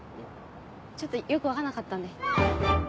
ちょっとよく分かんなかったんで。